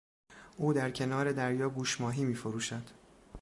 او در کنار دریا گوشماهی میفروشد.